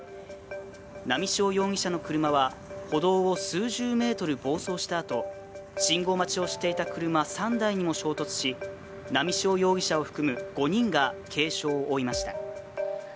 波汐容疑者の車は歩道を数十メートル暴走した後信号待ちをしていた車３台にも衝突し、波汐容疑者を含む５人が軽傷を負いました。